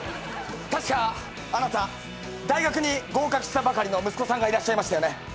確かあなた大学に合格したばかりの息子さんがいらっしゃいましたよね。